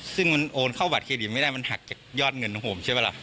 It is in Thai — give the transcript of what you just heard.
ซึ่งมันโอนเข้าบัตรเครดิตไม่ได้มันหักจากยอดเงินของผมใช่ปะล่ะ